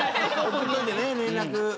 送っといてね連絡。